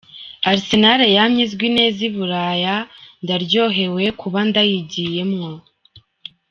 "Arsenal yamye izwi neza i Buraya, ndaryohewe kuba ndayigiyemwo.